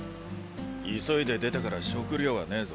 急いで出たから食料はねぇぞ。